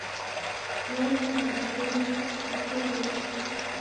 Nyonyi radabonya vifurute.